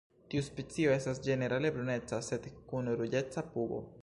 Tiu specio estas ĝenerale bruneca sed kun ruĝeca pugo.